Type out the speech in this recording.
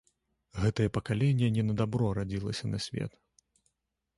Гэтае пакаленне не на дабро радзілася на свет.